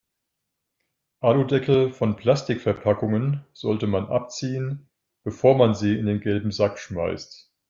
Aludeckel von Plastikverpackungen sollte man abziehen, bevor man sie in den gelben Sack schmeißt.